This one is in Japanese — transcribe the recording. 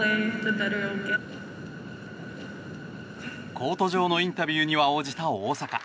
コート上のインタビューには応じた大坂。